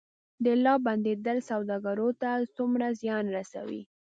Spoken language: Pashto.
د لارو بندیدل سوداګرو ته څومره زیان رسوي؟